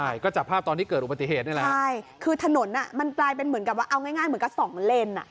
ใช่ก็จับภาพตอนที่เกิดอุบัติเหตุนี่แหละใช่คือถนนอ่ะมันกลายเป็นเหมือนกับว่าเอาง่ายง่ายเหมือนกับสองเลนอ่ะ